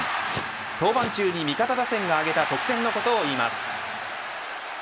登板中に味方打線が挙げた得点のことをいいます。